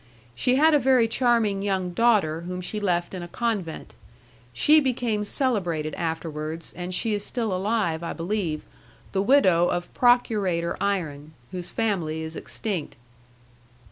She had a very charming young daughter whom she left in a convent. She became celebrated afterwards, and she is still alive, I believe, the widow of Procurator Iron, whose family is extinct.